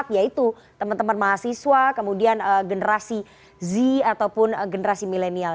yaitu teman teman mahasiswa kemudian generasi z ataupun generasi milenial